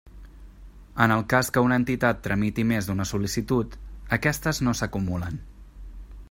En el cas que una entitat tramiti més d'una sol·licitud, aquestes no s'acumulen.